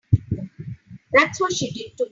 That's what she did to me.